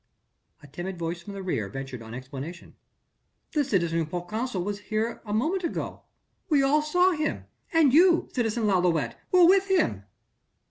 A timid voice from the rear ventured on explanation. "The citizen proconsul was here a moment ago.... We all saw him, and you citizen Lalouët were with him...."